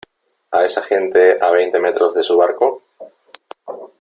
a esa gente a veinte metros de su barco ?